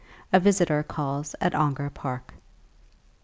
A VISITOR CALLS AT ONGAR PARK.